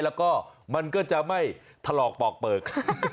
แล้วก็มันก็จะไม่ถลอกปอกเปลือก